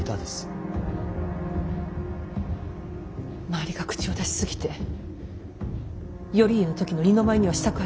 周りが口を出し過ぎて頼家の時の二の舞にはしたくありません。